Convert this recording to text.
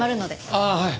ああはい。